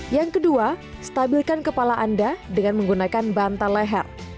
yang kedua stabilkan kepala anda dengan menggunakan bantal leher